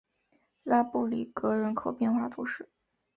拉布里格人口变化图示